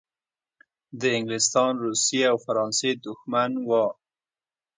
د انګلستان، روسیې او فرانسې دښمن وو.